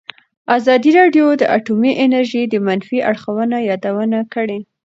ازادي راډیو د اټومي انرژي د منفي اړخونو یادونه کړې.